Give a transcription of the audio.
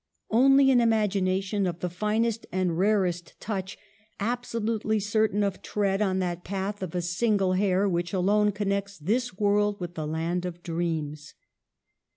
Only an imagination of the finest and rarest touch, absolutely certain of tread on that path of a single hair which alone connects this world with the land of dreams.